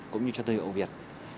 cũng như cho thương hiệu việt